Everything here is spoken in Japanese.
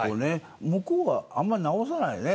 向こうはあんまり直さないよね